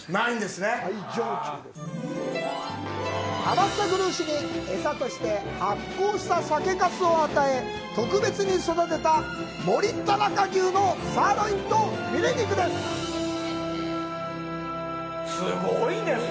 天草黒牛に、エサとして発酵した酒かすを与え、特別に育てた「もりたなか牛」のサーロインとフィレ肉です。